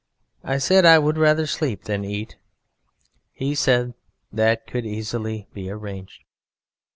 I said I would rather sleep than eat. He said that could easily be arranged.